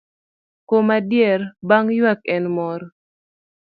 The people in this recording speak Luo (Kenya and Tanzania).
Kuom adier, bang' ywak en mor.